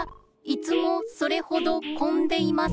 いつもそれほどこんでいません